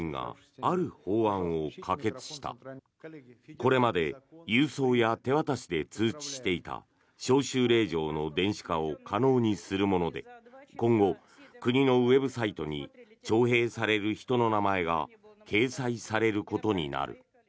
これまで郵送や手渡しで通知していた招集令状の電子化を可能にするもので今後、国のウェブサイトに徴兵される人の名前が掲載されることになる。